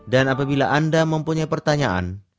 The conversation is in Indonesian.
dan apabila anda mempunyai pertanyaan